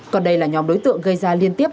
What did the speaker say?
còn đây là nhóm đối tượng gây ra liên tiếp